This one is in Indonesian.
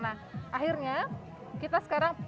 nah akhirnya kita sekarang